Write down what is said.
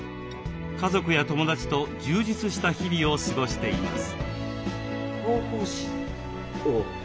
家族や友だちと充実した日々を過ごしています。